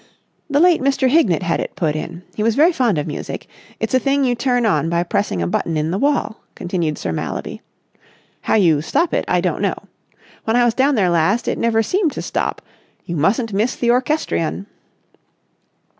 "The late Mr. Hignett had it put in. He was very fond of music. It's a thing you turn on by pressing a button in the wall," continued Sir Mallaby. "How you stop it, I don't know. When I was down there last it never seemed to stop. You mustn't miss the orchestrion!"